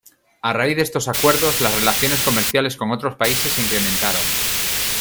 A raíz de estos acuerdos, las relaciones comerciales con otros países se incrementaron.